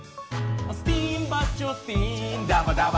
スティーンバッチョッスティーンダバダバ！